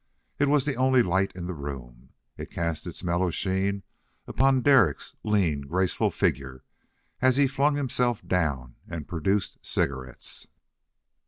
It was the only light in the room. It cast its mellow sheen upon Derek's lean graceful figure as he flung himself down and produced cigarettes.